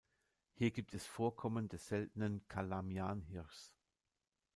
Hier gibt es Vorkommen des seltenen Calamian-Hirschs.